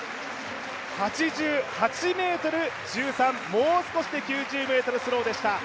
８８ｍ１３、もう少しで９０ｍスローでした。